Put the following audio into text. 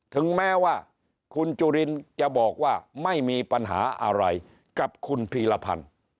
ถึงแม้ว่าคุณจุลินจะบอกว่าไม่มีปัญหาอะไรกับคุณพีรพันธ์